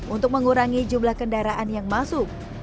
untuk mengurangi jumlah kendaraan yang masuk